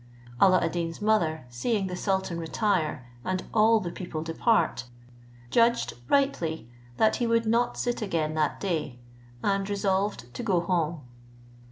Alla ad Deen's mother, seeing the sultan retire, and all the people depart, judged rightly that he would not sit again that day, and resolved to go home.